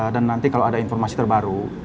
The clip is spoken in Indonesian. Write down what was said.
dan nanti kalau ada informasi terbaru